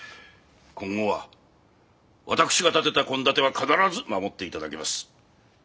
今後は私が立てた献立は必ず守って頂きます。